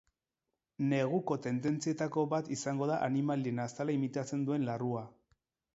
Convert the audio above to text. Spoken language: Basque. Neguko tendentzietako bat izango da animalien azala imitatzen duen larrua.